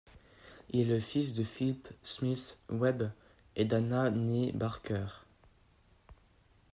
Il est le fils de Philip Smith Webb et d’Hannah née Barker.